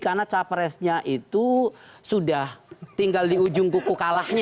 karena capresnya itu sudah tinggal di ujung kukuh kalahnya